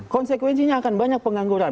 konsekuensinya akan banyak pengangguran